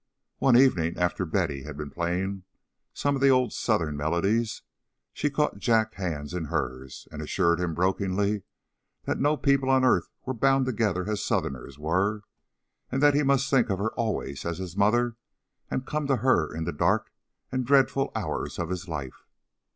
One evening after Betty had been playing some of the old Southern melodies, she caught Jack's hand in hers, and assured him brokenly that no people on earth were bound together as Southerners were, and that he must think of her always as his mother and come to her in the dark and dreadful hours of his life.